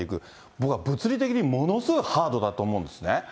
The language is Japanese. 僕は物理的にものすごいハードだと思うんですね。